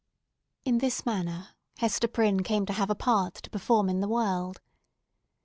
In this manner, Hester Prynne came to have a part to perform in the world.